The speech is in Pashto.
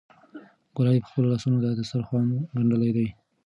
ګلالۍ په خپلو لاسونو دا دسترخوان ګنډلی دی.